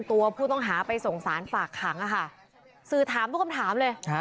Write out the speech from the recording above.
ตัวผู้ต้องหาไปสงสารฝากขังอะค่ะสื่อถามต้องถามเลย